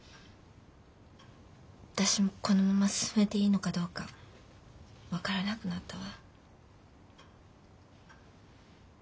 私もこのまま進めていいのかどうか分からなくなったわ。